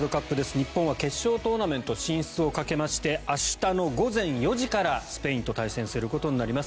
日本は決勝トーナメント進出をかけまして明日の午前４時からスペインと対戦することになります。